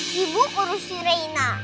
sibuk urusin rena